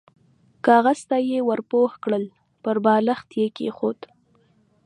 کاغذ ته يې ور پوه کړل، پر بالښت يې کېښود.